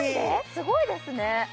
すごいですね